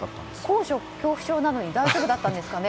高所恐怖症なのに大丈夫だったんですかね。